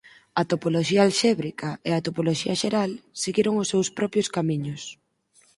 A topoloxía alxébrica e a topoloxía xeral seguiron os seus propios camiños.